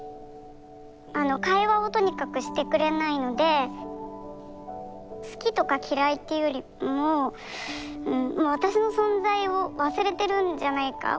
会話をとにかくしてくれないので好きとか嫌いというよりも私の存在を忘れてるんじゃないか。